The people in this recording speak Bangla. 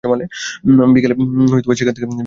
বিকেলে সেখান থেকে রওনা হয়।